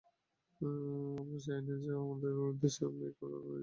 আমরা চাইনা যে আমাদের দেশের মেয়েকে ওরা নির্যাতন করুক।